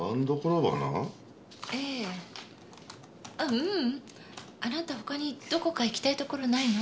ううんあなた他にどこか行きたいところないの？